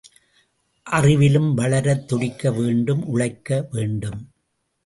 அறிவிலும் வளரத் துடிக்க வேண்டும் உழைக்க வேண்டும்.